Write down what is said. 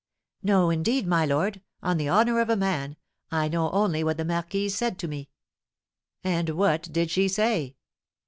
"No, indeed, my lord; on the honour of a man, I know only what the marquise said to me." "And what did she say?"